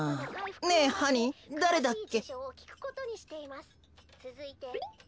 ねえハニーだれだっけ？